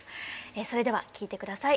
それでは聴いてください。